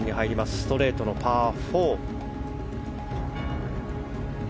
ストレートのパー４。